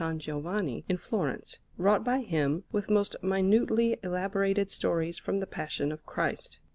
Giovanni in Florence, wrought by him with most minutely elaborated stories from the Passion of Christ.